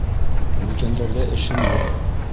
- Бүтәндәрҙә эшем юҡ.